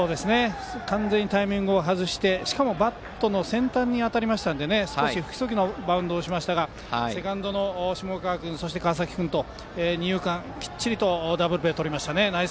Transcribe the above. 完全にタイミングを外してしかもバットの先端に当たりましたので少し不規則なバウンドをしましたがセカンドの下山君そして川崎君と二遊間、きっちりとダブルプレーとりましたね。